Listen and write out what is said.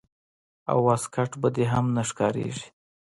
او واسکټ به دې هم نه ښکارېږي.